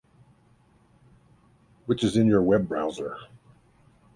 Which is in your web browser